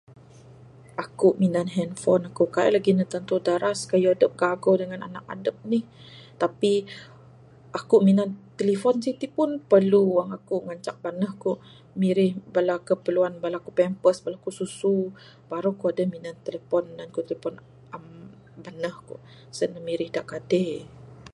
Aku minan handphone kaik lagih ne tantu daras kayuh adep gago dangan anak adep nih tapi aku minan telephone siti pun perlu ngancak baneh ku mirih bala keperluan bala ku pampers bala ku susu baru ku adeh telephone nan ku telephone am baneh ku sen ne mirih da kade.